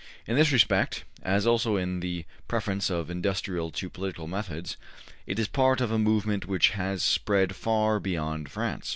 In this respect, as also in the preference of industrial to political methods, it is part of a movement which has spread far beyond France.